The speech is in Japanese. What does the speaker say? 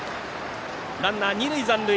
ランナー、二塁残塁。